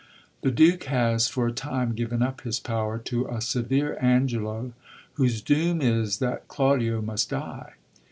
The Duke has, for a time, given up his power to a severe Angelo, whose doom is that Claudio must die.